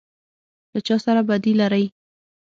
_ له چا سره بدي لری؟